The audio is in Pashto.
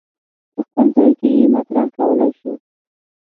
په خپل ځای کې یې مطرح کولای شو.